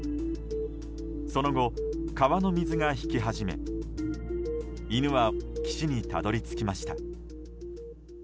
その後、川の水が引き始め犬は岸にたどり着きました。